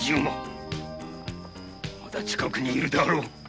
まだ近くにいるであろう！